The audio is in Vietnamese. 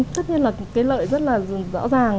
tất nhiên là cái lợi rất là rõ ràng